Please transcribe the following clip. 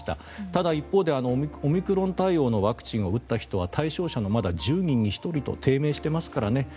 ただ、一方でオミクロン対応のワクチンを打った人は対象者の１０人に１人と低迷していますからね。